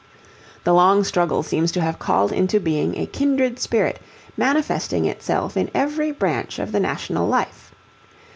The long struggle seems to have called into being a kindred spirit manifesting itself in every branch of the national life.